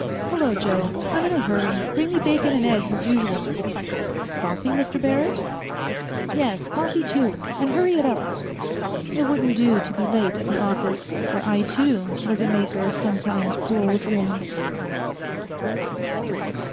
"Hello, Joe. I'm in a hurry bring me bacon and eggs, as usual." "Coffee, Mr. Barrett?" "Yes, coffee too. And hurry it up." It wouldn't do to be late at the office, where I, too, was a maker of sometimes cruel dreams.